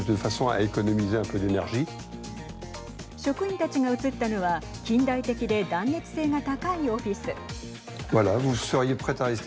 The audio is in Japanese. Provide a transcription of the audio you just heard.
職員たちが移ったのは近代的で断熱性が高いオフィス。